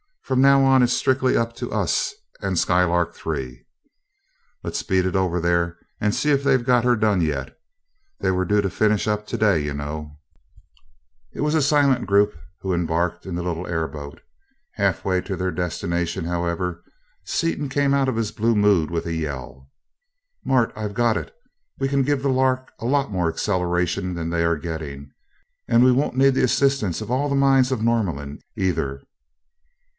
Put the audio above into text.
From now on it's strictly up to us and Skylark Three. Let's beat it over there and see if they've got her done yet they were due to finish up today, you know." It was a silent group who embarked in the little airboat. Half way to their destination, however, Seaton came out of his blue mood with a yell. "Mart, I've got it! We can give the Lark a lot more acceleration than they are getting and won't need the assistance of all the minds of Norlamin, either."